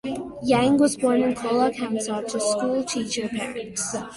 Yang was born in Kuala Kangsar to schoolteacher parents.